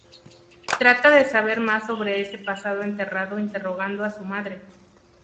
Trata de saber más sobre ese pasado enterrado interrogando a su madre.